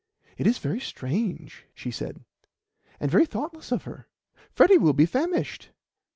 "It is very strange," she said, "and very thoughtless of her. Freddy will be famished."